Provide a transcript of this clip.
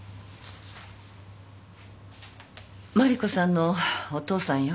麻里子さんのお父さんよ。